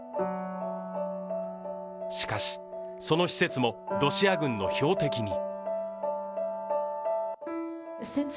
しかし、その施設もロシア軍の標的に。